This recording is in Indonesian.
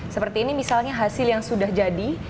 seperti ini misalnya hasil yang sudah jadi